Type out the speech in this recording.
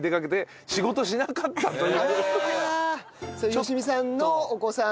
好未さんのお子さん？